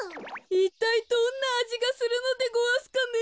いったいどんなあじがするのでごわすかね。